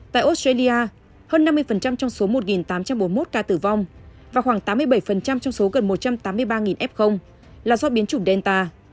tại australia hơn năm mươi trong số một tám trăm bốn mươi một ca tử vong và khoảng tám mươi bảy trong số gần một trăm tám mươi ba f là do biến chủng delta